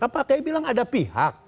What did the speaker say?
pak kiai bilang ada pihak